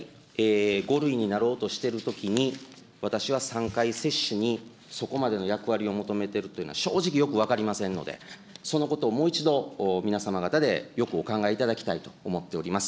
５類になろうとしているときに、私は３回接種にそこまでの役割を求めてるというのは、正直よく分かりませんので、そのことももう一度、皆様方でよくお考えいただきたいと思っております。